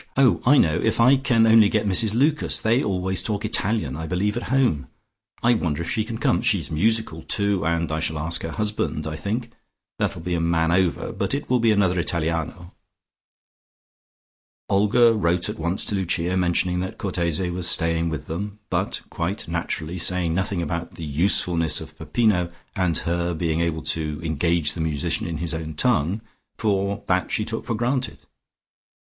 Oh, I know, if I can only get Mrs Lucas. They always talk Italian, I believe, at home. I wonder if she can come. She's musical, too, and I shall ask her husband, I think: that'll be a man over, but it will be another Italiano " Olga wrote at once to Lucia, mentioning that Cortese was staying with them, but, quite naturally, saying nothing about the usefulness of Peppino and her being able to engage the musician in his own tongue, for that she took for granted.